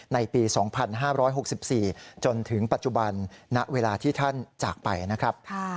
ในปี๒๕๖๔จนถึงปัจจุบันณเวลาที่ท่านจากไปนะครับ